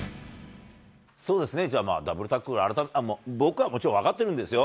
そうですね、じゃあダブルタックル、僕はもちろん分かってるんですよ。